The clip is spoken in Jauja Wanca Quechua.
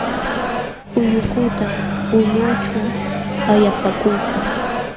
Ullukutam ulqućhu allapakuykan.